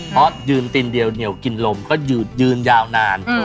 เพราะยืนตินเดียวเนี่ยวกินลมก็ยืนยาวนาน